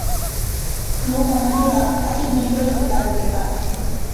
নৌ-কমান্ডোরা তাকে গুলি করে হত্যা করতে পারতেন।